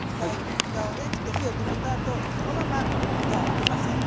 ふたをねして火を止めたあとそのままふたを開けません。